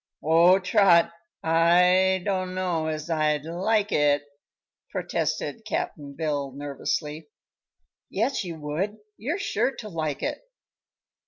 "Oh, Trot! I dunno as I'd like it," protested Cap'n Bill, nervously. "Yes, you would. You're sure to like it."